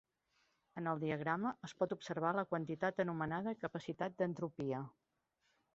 En el diagrama es pot observar la quantitat anomenada 'capacitat d'entropia'.